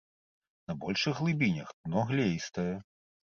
На большых глыбінях дно глеістае.